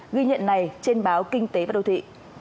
ghi nhận này trên báo kinh tế và đô thị